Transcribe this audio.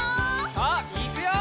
さあいくよ！